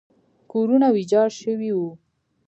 کورونه ویجاړ شوي وو.